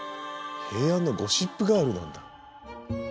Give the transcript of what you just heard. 平安のゴシップガールなんだ。